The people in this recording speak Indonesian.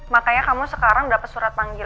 makanya kamu sekarang udah pesurat panggil